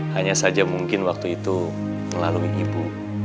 hanya saja mungkin waktu itu melalui ibu